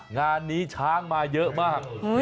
งานนี้ช้างมาเยอะมาก